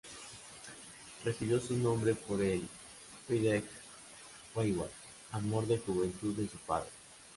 Recibió su nombre por el de Bridget Hayward, amor de juventud de su padre.